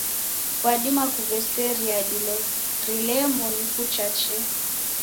Kwadima kuw'eseria dilo rilemo ni kucha chee.